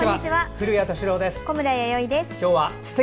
古谷敏郎です。